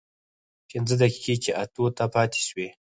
پينځه دقيقې چې اتو ته پاتې سوې.